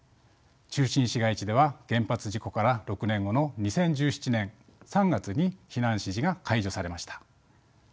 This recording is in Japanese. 中心市街地では原発事故から６年後の２０１７年３月に避難指示が解除されました。